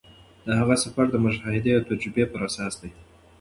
د هغه سفر د مشاهدې او تجربې پر اساس دی.